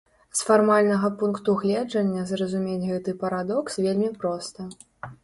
З фармальнага пункту гледжання зразумець гэты парадокс вельмі проста.